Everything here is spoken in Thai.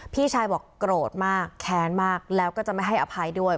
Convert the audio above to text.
พี่ชายบอกโกรธมากแค้นมากแล้วก็จะไม่ให้อภัยด้วย